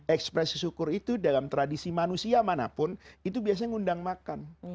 ekspresi syukur itu dalam tradisi manusia manapun itu biasanya ngundang makan